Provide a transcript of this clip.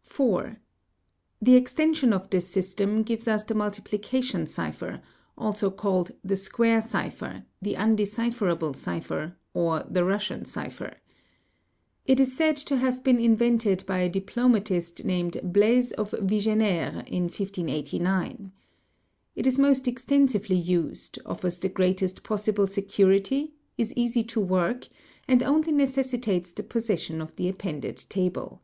4. The extension of this system gives us the multiplication cipher, _ also called the square cipher, the undecipherable cipher, or the Russian cipher. It is said to have been invented by a diplomatist named Blaise of Vigenére in 1589. It is most extensively used, offers the greatest possible security, is easy to work, and only necessitates the possession of the appended table.